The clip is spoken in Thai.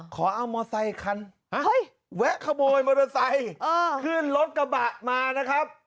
ขอเอามอเซคันแวะขโมยมอเตอร์ไซค์ขึ้นรถกระบะมานะครับ